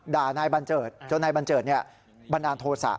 ด่านายบันเจิดจนนายบันเจิดบันอาณโฑษะ